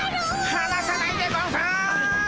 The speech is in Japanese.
はなさないでゴンス！